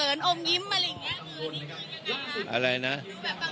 อันนี้จะต้องจับเบอร์เพื่อที่จะแข่งแข่งกันแล้วคุณละครับ